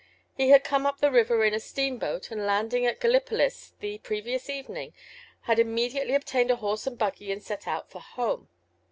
He had come up the river in a steamboat, and landing at Gallipolis the previous evening had immediately obtained a horse and buggy and set out for home.